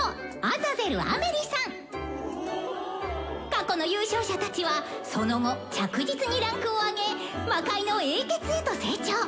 「過去の優勝者たちはその後着実に位階を上げ魔界の英傑へと成長！